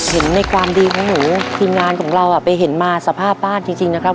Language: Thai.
ในความดีของหนูทีมงานของเราไปเห็นมาสภาพบ้านจริงนะครับ